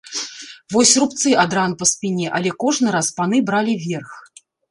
Вось рубцы ад ран па спіне, але кожны раз паны бралі верх.